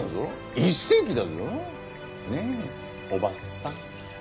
一世紀だぞ。ねえ伯母さん。